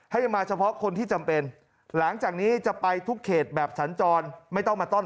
ให้มาเฉพาะคนที่จำเป็น